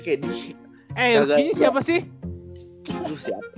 eh yang rookie nya siapa sih